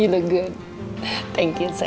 segar sekali anak mama